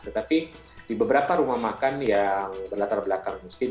tetapi di beberapa rumah makan yang berlatar belakang miskin